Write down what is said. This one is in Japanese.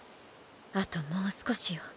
あともう少しよ。